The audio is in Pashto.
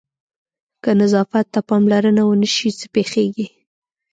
که نظافت ته پاملرنه ونه شي څه پېښېږي؟